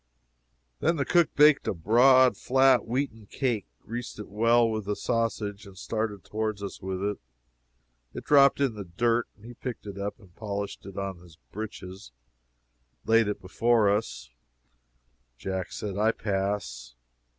Then the cook baked a broad, flat, wheaten cake, greased it well with the sausage, and started towards us with it. It dropped in the dirt, and he picked it up and polished it on his breeches, and laid it before us. Jack said, "I pass."